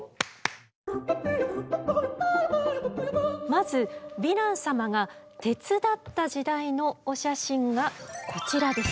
まずヴィラン様が鉄だった時代のお写真がこちらです。